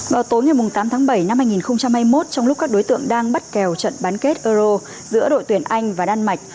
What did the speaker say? vào tối ngày tám tháng bảy năm hai nghìn hai mươi một trong lúc các đối tượng đang bắt kèo trận bán kết euro giữa đội tuyển anh và đan mạch